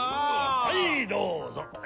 はいどうぞ。